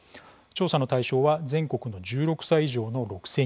調査の対象は全国１６歳以上の６０００人。